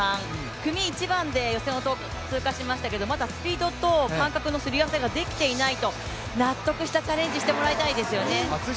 組１番で予選を通過しましたが、まだスピードと感覚のすり合わせができていないと納得したチャレンジしてもらいたいですよね。